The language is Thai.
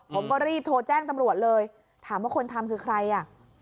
ผมก็รีบโทรแจ้งตำรวจเลยถามว่าคนทำคือใครอ่ะ